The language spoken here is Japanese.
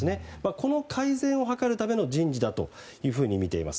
この改善を図るための人事だとみています。